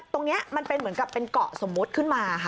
ตรงนี้มันเป็นเหมือนกับเป็นเกาะสมมุติขึ้นมาค่ะ